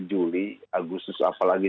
juli agustus apalagi